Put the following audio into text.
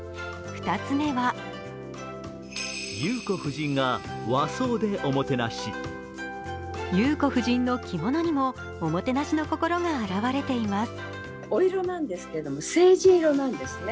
２つ目は裕子夫人の着物にもおもてなしの心が表れています。